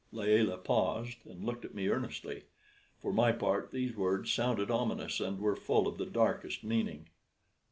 Layelah paused, and looked at me earnestly. For my part these words sounded ominous, and were full of the darkest meaning.